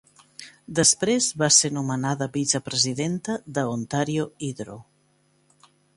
Després va ser nomenada vicepresidenta de Ontario Hydro.